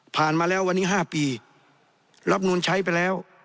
มาแล้ววันนี้๕ปีรับนูลใช้ไปแล้ว